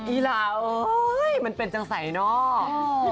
อีลาอ๋ะมันเป็นจังสัยเนาะ